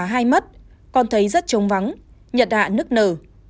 lúc má hai mất con thấy rất trống vắng nhật hạ nức nở